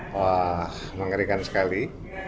wah mengerikan sekali